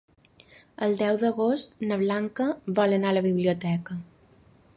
El deu d'agost na Blanca vol anar a la biblioteca.